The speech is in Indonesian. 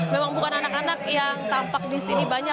memang bukan anak anak yang tampak di sini banyak